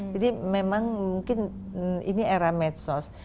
jadi memang mungkin ini era medsos